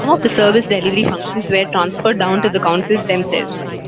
Some of the service delivery functions were transferred down to the councils themselves.